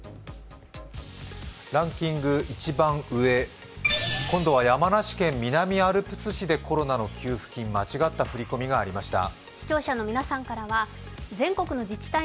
ランキング一番上今度は山梨県南アルプス市でコロナの給付金、間違った振り込みがありました。